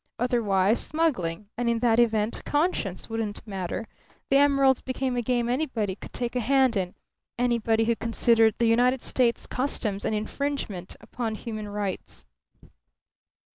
Otherwise, smuggling; and in that event conscience wouldn't matter; the emeralds became a game anybody could take a hand in anybody who considered the United States Customs an infringement upon human rights.